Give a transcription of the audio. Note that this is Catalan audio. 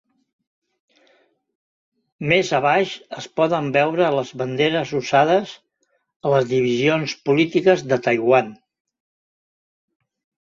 Més abaix es poden veure les banderes usades a les divisions polítiques de Taiwan.